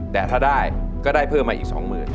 แต่ถ้าได้ก็ได้เพิ่มมาอีก๒๐๐๐